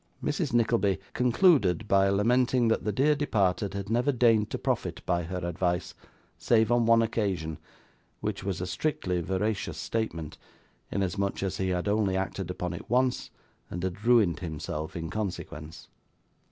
Mrs Nickleby concluded by lamenting that the dear departed had never deigned to profit by her advice, save on one occasion; which was a strictly veracious statement, inasmuch as he had only acted upon it once, and had ruined himself in consequence.